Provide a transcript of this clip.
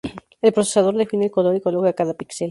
El procesador define el color y coloca cada píxel.